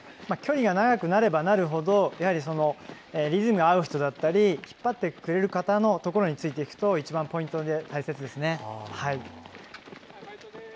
距離が長くなればなるほどリズムが合う人だったり引っ張ってくれる方のところについていくというのが一番ポイント、大切ですね。